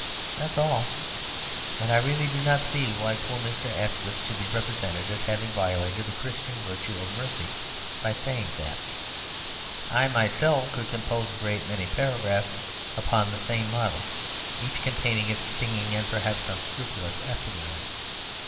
That's all. And I really do not see why poor Mr. Asquith should be represented as having violated the Christian virtue of mercy by saying that. I myself could compose a great many paragraphs upon the same model, each containing its stinging and perhaps unscrupulous epigram.